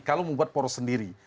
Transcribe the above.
kalau membuat poros sendiri